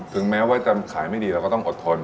ถึงแม้ว่าจะขายไม่ดีเราก็ต้องอดทน